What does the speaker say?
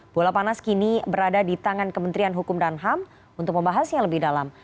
bola panas kini berada di tangan kementerian hukum dan ham untuk membahasnya lebih dalam